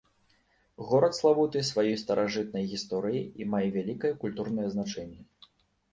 Горад славуты сваёй старажытнай гісторыяй і мае вялікае культурнае значэнне.